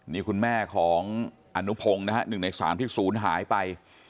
นี่คุณแม่ของอนุพงศ์นะฮะ๑ใน๓ที่ศูนย์หายไป